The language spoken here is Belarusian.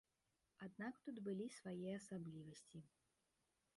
Аднак тут былі свае асаблівасці.